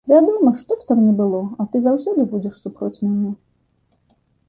Вядома, што б там ні было, а ты заўсёды будзеш супроць мяне.